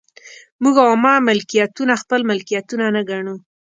موږ عامه ملکیتونه خپل ملکیتونه نه ګڼو.